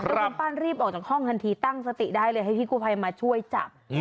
แล้วคุณป้ารีบออกจากห้องทันทีตั้งสติได้เลยให้พี่กู้ภัยมาช่วยจับ